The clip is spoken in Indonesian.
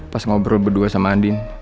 pas ngobrol berdua sama andin